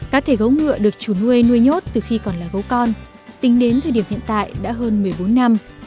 cá thể gấu ngựa được chủ nuôi nuôi nhốt từ khi còn là gấu con tính đến thời điểm hiện tại đã hơn một mươi bốn năm